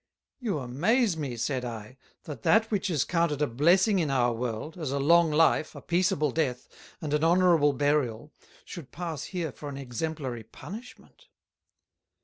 "You amaze me," said I, "that that which is counted a Blessing in our World, as a long Life, a peaceable Death, and an Honourable Burial, should pass here for an exemplary Punishment."